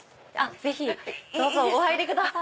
ぜひどうぞお入りください。